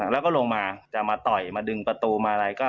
แล้วก็ลงมาจะมาต่อยมาดึงประตูมาอะไรก็